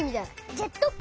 ジェットき。